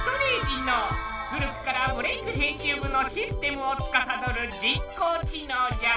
古くから「ブレイクッ！編集部」のシステムをつかさどる人工知能じゃ！